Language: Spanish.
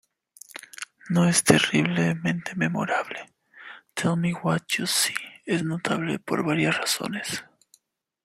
No es terriblemente memorable", "Tell Me What You See" es notable por varias razones.